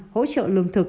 hỗ trợ lương thực